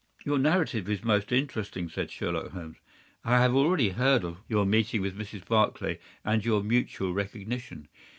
"Your narrative is most interesting," said Sherlock Holmes. "I have already heard of your meeting with Mrs. Barclay, and your mutual recognition.